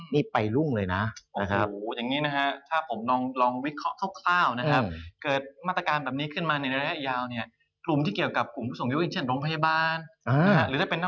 นี่ไปรุ่งเลยนะ